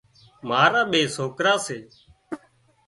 مارا ٻي سوڪرا سي۔